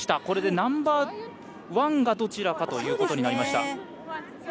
これでナンバーワンがどちらかということになりました。